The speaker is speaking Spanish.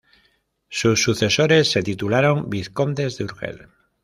Sus sucesores se titularon vizcondes de Urgel.